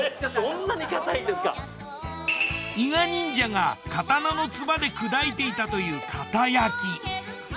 伊賀忍者が刀のつばで砕いていたというかたやき。